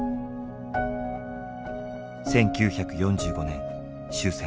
１９４５年終戦。